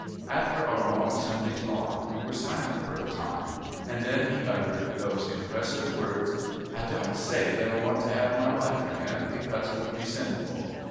After our long Sunday talk we were silent for a time, and then he uttered these impressive words: "I don't say that I want to have my life again, because 'twould be sinful.